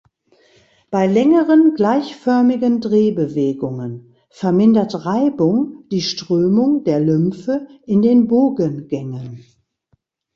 Bei längeren gleichförmigen Drehbewegungen vermindert Reibung die Strömung der Lymphe in den Bogengängen.